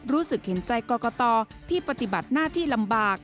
รู้สึกเห็นใจกรกตที่ปฏิบัติหน้าที่ลำบาก